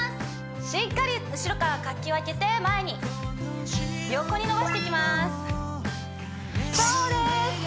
しっかり後ろからかき分けて前に横に伸ばしていきますそうです